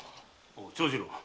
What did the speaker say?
長次郎。